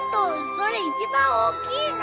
それ一番大きいの！